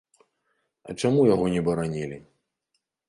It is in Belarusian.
А чаму яго не баранілі?